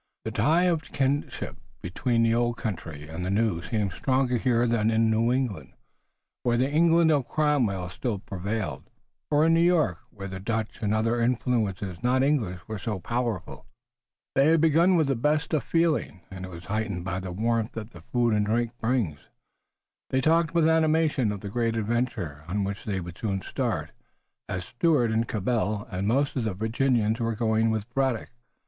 The tie of kinship between the old country and the new seemed stronger here than in New England, where the England of Cromwell still prevailed, or in New York, where the Dutch and other influences not English were so powerful. They had begun with the best of feeling, and it was heightened by the warmth that food and drink bring. They talked with animation of the great adventure, on which they would soon start, as Stuart and Cabell and most of the Virginians were going with Braddock.